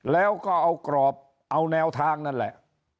แล้วก็เอากรอบเอาแนวทางนั่นแหละ